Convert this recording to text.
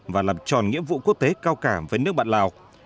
và làm tròn nhiệm vụ quốc tế cao cả với nước bạn lào